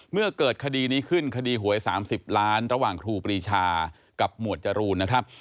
เมื่อเกิดคดีนี้ขึ้นคดีหวย๓๐ล้านระหว่างครูปรีชากับหมวดจรูนนะครับ